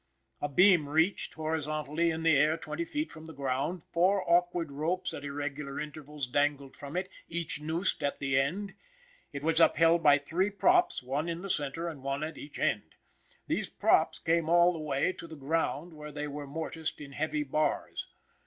A beam reached, horizontally, in the air, twenty feet from the ground; four awkward ropes, at irregular intervals, dangled from it, each noosed at the end. It was upheld by three props, one in the center and one at each end. These props came all the way to the ground where they were morticed in heavy bars.